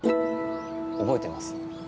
覚えてます？